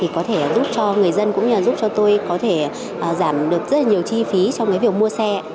có thể giúp cho người dân cũng như là giúp cho tôi có thể giảm được rất là nhiều chi phí trong việc mua xe